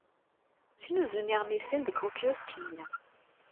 Ttnuzun yeɣmisen deg wekyusk-nni.